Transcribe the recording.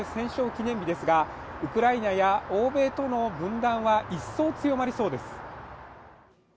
記念日ですがウクライナや欧米との分断は一層強まりそうです